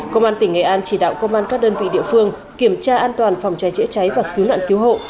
công an tỉnh nghệ an chỉ đạo công an các đơn vị địa phương kiểm tra an toàn phòng cháy chữa cháy và cứu nạn cứu hộ